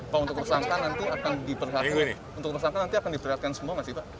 pak untuk persangkaan nanti akan diperhatikan semua mas iba